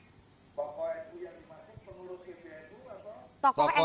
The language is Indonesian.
tokoh nu yang dimasuk pengurus pbnu atau